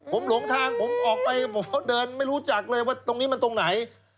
ผมหลงทางผมออกไปเดินไม่รู้จักเลยว่าตรงนี้มันตรงไหน